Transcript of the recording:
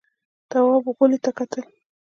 تواب غولي ته کتل….